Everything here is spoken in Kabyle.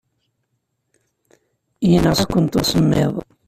Yenɣa-kent usemmiḍ.